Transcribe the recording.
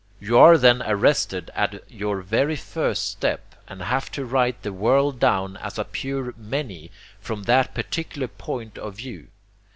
You are then arrested at your very first step and have to write the world down as a pure MANY from that particular point of view.